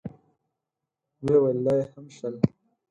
ويې ويل: دا يې هم شل.